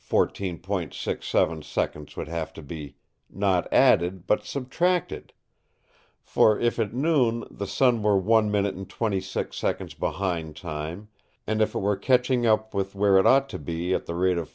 67 seconds would have to be, not added, but subtracted; for, if, at noon, the sun were 1 minute and 26 seconds behind time, and if it were catching up with where it ought to be at the rate of 14.